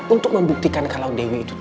untuk membuktikan kalau dewi itu